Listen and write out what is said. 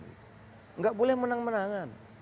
tidak boleh menang menangan